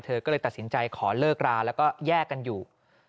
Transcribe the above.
เธอก็เลยตัดสินใจขอเลิกราแล้วก็แยกกันอยู่